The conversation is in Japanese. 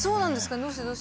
どうして？